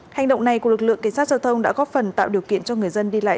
hành động này của lực lượng cảnh sát giao thông đã góp phần tạo điều kiện cho người dân đi lại